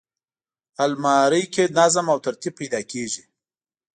الماري کې نظم او ترتیب پیدا کېږي